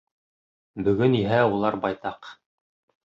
Бөгөн иһә улар байтаҡ.